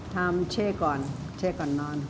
เช่ก่อนเช่ก่อนนอน